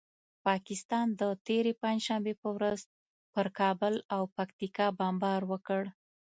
پاکستان د تېرې پنجشنبې په ورځ پر کابل او پکتیکا بمبار وکړ.